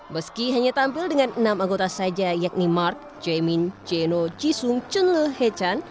meski hanya tampil dengan enam anggota saja yakni mark jaemin jeno jisung chenle haechan